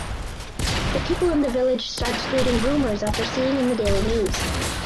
The people in the village starts creating rumors after seeing in the daily news.